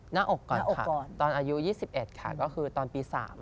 หน้าอกก่อนค่ะตอนอายุ๒๑ค่ะก็คือตอนปี๓